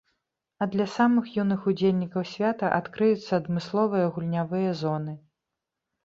А для самых юных удзельнікаў свята адкрыюцца адмысловыя гульнявыя зоны.